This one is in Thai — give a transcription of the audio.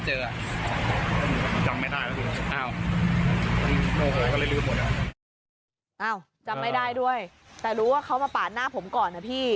จำไม่ได้ด้วยแต่รู้ว่าเขามาปาดหน้าผมก่อนนะพี่